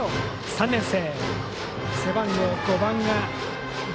３年生。